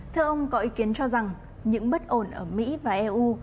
thưa ông có ý kiến cho rằng những bất ổn ở mỹ và eu